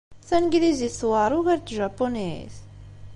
Tanglizit tewɛeṛ ugar n tjapunit?